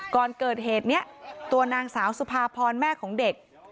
ก่อนเกิดเหตุนี้ตัวนางสาวสุภาพรแม่ของเด็ก